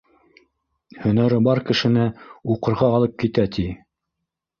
Һөнәре бар кешене уҡырға алып китә, ти.